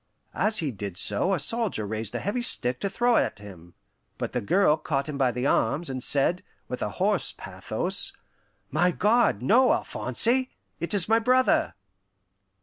As he did so a soldier raised a heavy stick to throw at him; but the girl caught him by the arms, and said, with a hoarse pathos, "My God, no, Alphonse! It is my brother!"